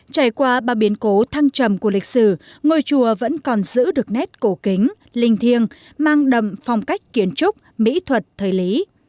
trải qua ba biến cố thăng trầm của lịch sử ngôi chùa vẫn còn giữ được nét cổ kính linh thiêng mang đậm phong cách kiến trúc mỹ thuật thời lý